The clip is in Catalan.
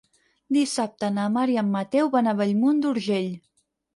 Dissabte na Mar i en Mateu van a Bellmunt d'Urgell.